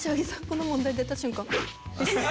この問題出た瞬間。